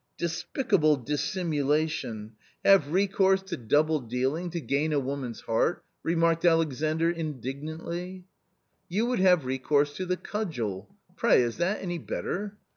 " Despicable dissimulation ! have recourse to double 136 A COMMON STORY dealing to gain a woman's heart !" remarked Alexandr indignantly. " You would have recourse to the cudgel ; pray, is that any better?